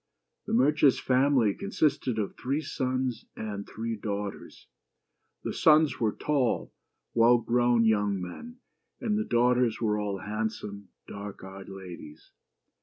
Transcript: The merchant's family consisted of three sons and three daughters. The sons were tall, well grown, young men, and the daughters were all handsome, dark eyed ladies.